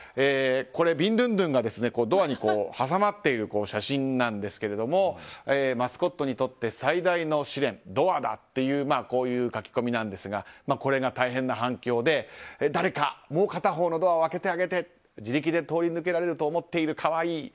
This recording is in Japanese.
ビンドゥンドゥンがドアに挟まっている写真ですがマスコットにとって最大の試練ドアだというこういう書き込みなんですがこれが大変な反響で誰かもう片方のドアを開けてあげて自力で通り抜けられると思ってる可愛い。